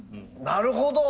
なるほど！